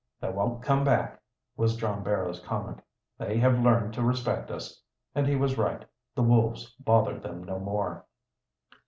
"They won't come back," was John Barrow's comment. "They have learned to respect us." And he was right, the wolves bothered them no more.